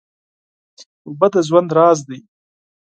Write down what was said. اوبه د ژوند راز دی.